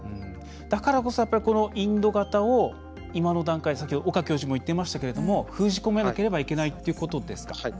だからこそインド型を今の段階、先ほど岡教授も言っていましたけど封じ込めなければいけないということですか。